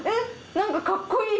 なんかかっこいい！